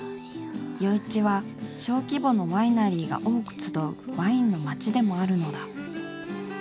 余市は小規模のワイナリーが多く集うワインの町でもあるのだ。